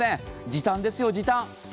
時短ですよ、時短。